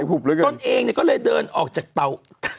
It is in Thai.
ตนเองก็เลยเดินออกจากเตา